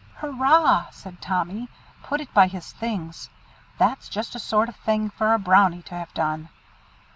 "Hurrah!" said Tommy, "put it by his things. That's just a sort of thing for a Brownie to have done.